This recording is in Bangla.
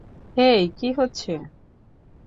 হেই কি হচ্ছে?